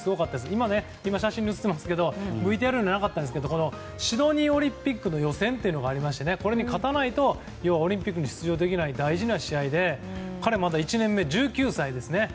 今、写真に写ってますけどＶＴＲの中になかったんですけどシドニーオリンピックの予選がありましてこれに勝たないとオリンピックに出場できない大事な試合で彼１年目、まだ１９歳ですね。